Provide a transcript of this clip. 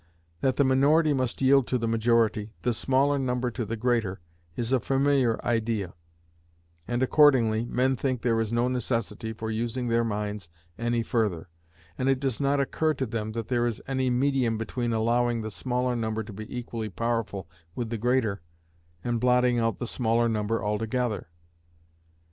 That the minority must yield to the majority, the smaller number to the greater, is a familiar idea; and accordingly, men think there is no necessity for using their minds any further, and it does not occur to them that there is any medium between allowing the smaller number to be equally powerful with the greater, and blotting out the smaller number altogether.